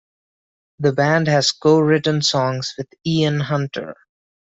The band has co-written songs with Ian Hunter.